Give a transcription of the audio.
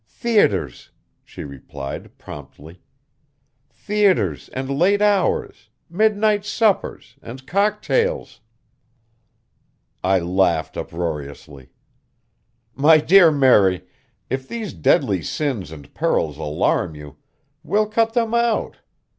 "Theatres," she replied promptly, "theatres and late hours, midnight suppers and cocktails." I laughed uproariously. "My dear Mary, if these deadly sins and perils alarm you, we'll cut them out.